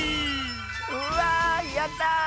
うわやった！